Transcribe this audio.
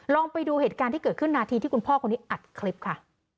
ลองไปดูเหตุการณ์ที่เกิดขึ้นนาทีที่คุณพ่อคนนี้อัดคลิปค่ะ